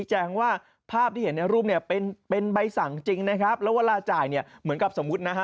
จริงนะครับแล้วเวลาจ่ายเนี่ยเหมือนกับสมมุตินะฮะ